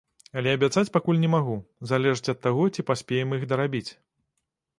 Але абяцаць пакуль не магу, залежыць ад таго, ці паспеем іх дарабіць.